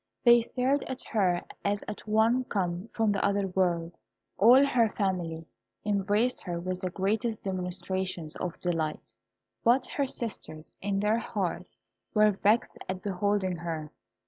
They stared at her as at one come from the other world. All her family embraced her with the greatest demonstrations of delight; but her sisters, in their hearts, were vexed at beholding her.